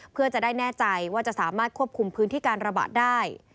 เพื่อจะได้แน่ใจว่าจะสามารถควบคุมพื้นที่การระบาดได้